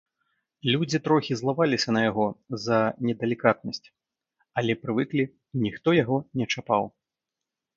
Людзі трохі злаваліся на яго за недалікатнасць, але прывыклі, і ніхто яго не чапаў.